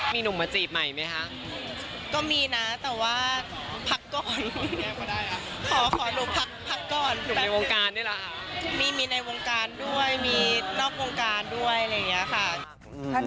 มีหนุ่มมาจีบใหม่ไหมคะก็มีนะแต่ว่าพักก่อนขอหนูพักก่อนหนุ่มในวงการนี่แหละค่ะมีในวงการด้วยมีนอกวงการด้วยอะไรอย่างนี้ค่ะ